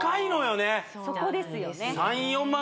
そこですよね